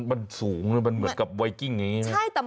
มันสูงมันเหมือนกับไวกิ้งอย่างนี้นะ